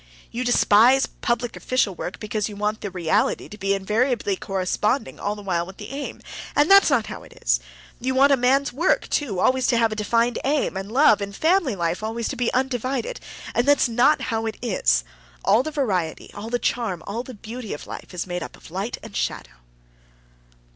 You despise public official work because you want the reality to be invariably corresponding all the while with the aim—and that's not how it is. You want a man's work, too, always to have a defined aim, and love and family life always to be undivided—and that's not how it is. All the variety, all the charm, all the beauty of life is made up of light and shadow."